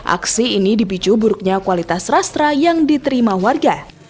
aksi ini dipicu buruknya kualitas rastra yang diterima warga